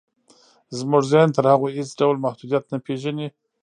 زموږ ذهن تر هغو هېڅ ډول محدوديت نه پېژني.